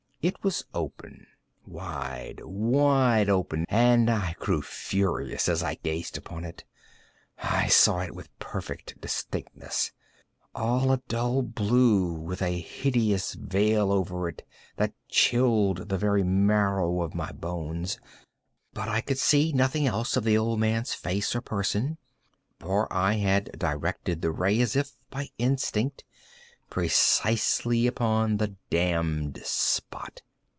It was open—wide, wide open—and I grew furious as I gazed upon it. I saw it with perfect distinctness—all a dull blue, with a hideous veil over it that chilled the very marrow in my bones; but I could see nothing else of the old man's face or person: for I had directed the ray as if by instinct, precisely upon the damned spot.